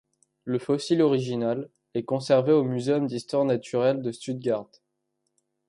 Le fossile original est conservé au Muséum d'Histoire naturelle de Stuttgart.